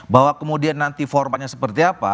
bahwa kemudian nanti formatnya seperti apa